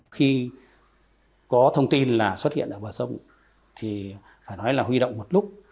khi có thông tin là xuất hiện ở bờ sông thì phải nói là huy động một lúc